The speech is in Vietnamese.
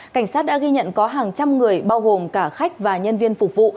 cảnh sát đã ghi nhận có hàng trăm người bao gồm cả khách và nhân viên phục vụ